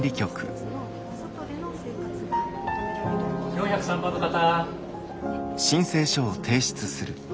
４０３番の方。